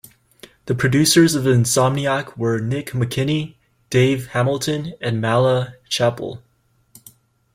The producers of Insomniac were Nick McKinney, Dave Hamilton and Mala Chapple.